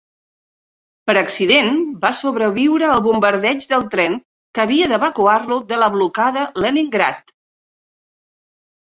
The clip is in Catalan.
Per accident va sobreviure al bombardeig del tren que havia d'evacuar-lo de la blocada Leningrad.